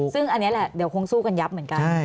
ซึ่งอันนี้แหละเดี๋ยวคงสู้กันยับเหมือนกัน